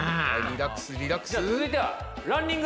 リラックスリラックス。